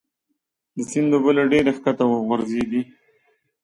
د سیند اوبه له ډبرې ښکته غورځېدې.